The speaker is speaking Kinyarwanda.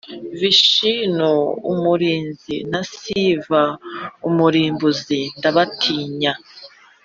vishinu umurinzi na siva umurimbuzi ndabatinya